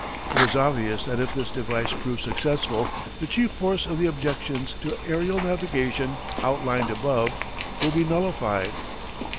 It is obvious that if this device prove successful the chief force of the objections to aërial navigation outlined above will be nullified.